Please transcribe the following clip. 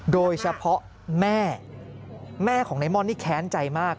โดยเฉพาะแม่แม่ของนายม่อนนี่แค้นใจมาก